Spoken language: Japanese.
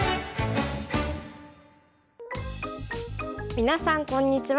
皆さんこんにちは。